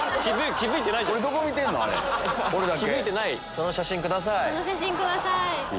その写真下さい。